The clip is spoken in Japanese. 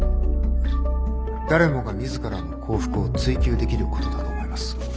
誰もが自らの幸福を追求できることだと思います。